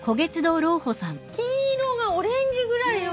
黄色がオレンジぐらいよ。